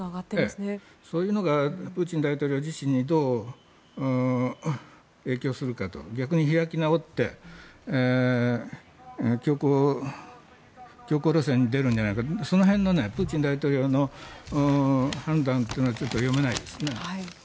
そういうのがプーチン大統領自身にどう影響するかと逆に開き直って強硬路線に出るんじゃないかとその辺のプーチン大統領の判断というのはちょっと読めないですね。